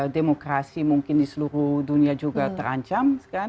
demokrasi mungkin di seluruh dunia juga terancam